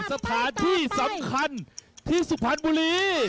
สถานที่สำคัญที่สุพรรณบุรี